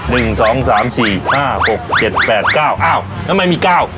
หนึ่งสองสามสี่ห้าหกเจ็ดแปดเก้าอ้าวทำไมมีเก้า